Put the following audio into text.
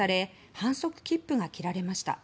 反則切符が切られました。